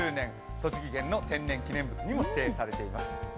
栃木県の天然記念物にも指定されています。